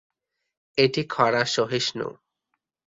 এটি খরা সহিঞ্চু।